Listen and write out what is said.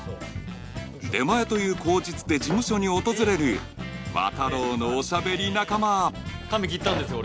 出前という口実で事務所に訪れる綿郎のおしゃべり仲間髪切ったんですよ